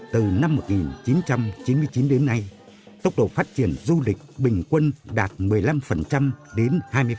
từ năm một nghìn chín trăm chín mươi chín đến nay tốc độ phát triển du lịch bình quân đạt một mươi năm đến hai mươi